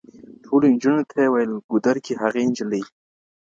ټولو انجونو تې ويل ګودر كي هغي انجلۍ